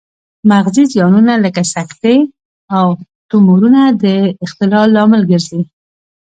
مغزي زیانونه لکه سکتې او تومورونه د اختلال لامل ګرځي